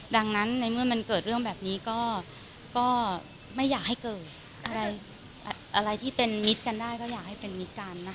ดังนั้นในเมื่อมันเกิดเรื่องแบบนี้ก็ไม่อยากให้เกิดอะไรที่เป็นมิตรกันได้ก็อยากให้เป็นมิตรกันนะคะ